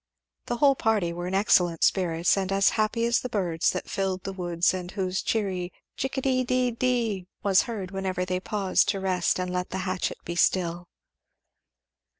The whole party were in excellent spirits, and as happy as the birds that filled the woods and whose cheery "chick a dee dee dee," was heard whenever they paused to rest and let the hatchet be still.